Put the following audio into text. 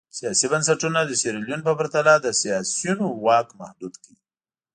سیاسي بنسټونه د سیریلیون په پرتله د سیاسیونو واک محدود کړي.